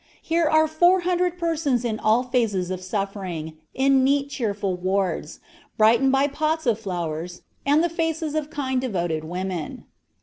Here are four hundred persons in all phases of suffering, in neat, cheerful wards, brightened by pots of flowers, and the faces of kind, devoted women.